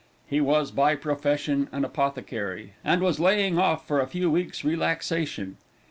He was by profession an apothecary, and was laying off for a few weeks' relaxation.